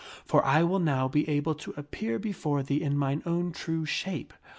For I will now be able to appear before thee in mine own true shape.